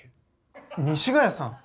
西ヶ谷さん！